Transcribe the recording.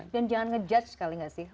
dan jangan ngejudge kali gak sih